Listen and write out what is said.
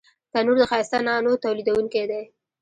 تنور د ښایسته نانو تولیدوونکی دی